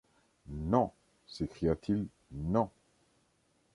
Non! s’écria-t-il, non !